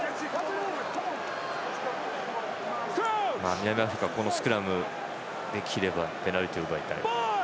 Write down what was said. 南アフリカはこのスクラム、できればペナルティーを奪いたい。